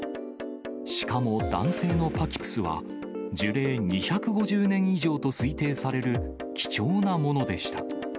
しかも男性のパキプスは、樹齢２５０年以上と推定される、貴重なものでした。